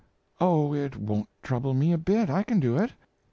Oh, it won't trouble me a bit I can do it.